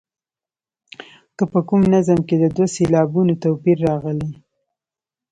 که په کوم نظم کې د دوو سېلابونو توپیر راغلی.